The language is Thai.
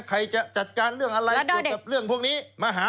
ใครจะจัดการเรื่องอะไรเกี่ยวกับเรื่องพวกนี้มาหา